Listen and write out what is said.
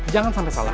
jangan sampai salah